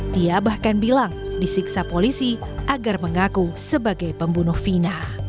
dia bahkan bilang disiksa polisi agar mengaku sebagai pembunuh vina